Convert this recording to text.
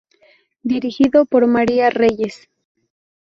Dirigido por María Reyes.